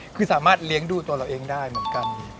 คือสามารถเลี้ยงดูตัวเราเองได้เหมือนกัน